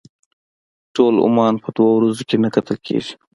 ټول عمان په دوه ورځو کې نه کتل کېږي.